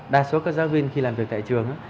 đa số các giáo viên khi làm việc tại trường